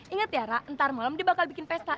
ingat ya ra entar malem dia bakal bikin pesta